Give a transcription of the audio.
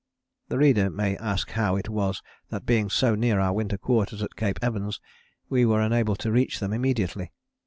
The reader may ask how it was that being so near our Winter Quarters at Cape Evans we were unable to reach them immediately.